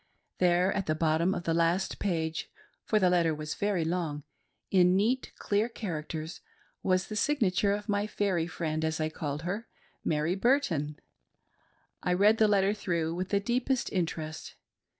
There, at the bottom of the last page ^ for the letter was very long — in neat, clear characters, was the signature of my fairy friend, as I called her, Mary Burton. I read the letter through with the deepest interest.